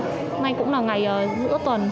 hôm nay cũng là ngày giữa tuần